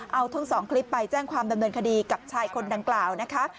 เอาทั้งสองคลิปไปแจ้งความดำเนินคดีกับชายคนดังกล่าวนะคะ